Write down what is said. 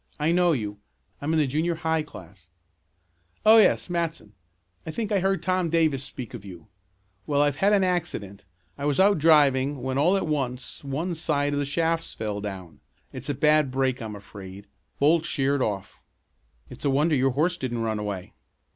"I know you. I'm in the junior high class." "Oh, yes. Matson, I think I heard Tom Davis speak of you. Well, I've had an accident. I was out driving when all at once one side of the shafts fell down. It's a bad break I'm afraid; bolt sheared off." "It's a wonder your horse didn't run away."